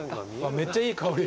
めっちゃいい香り。